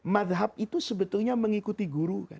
madhab itu sebetulnya mengikuti guru kan